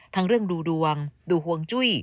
ทั้งเรื่องดูดวงดูห่วงจุ้ย